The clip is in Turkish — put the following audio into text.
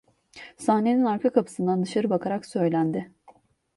Sahnenin arka kapısından dışarı bakarak söylendi..